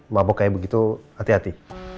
bapak kayak begitu hati hati